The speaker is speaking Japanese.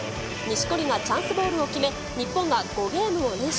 錦織がチャンスボールを決め、日本が５ゲームを連取。